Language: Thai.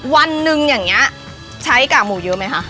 วันหนึ่งอย่างนี้ใช้กากหมูเยอะไหมคะ